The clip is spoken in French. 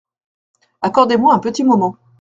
Accordez-moi un petit moment.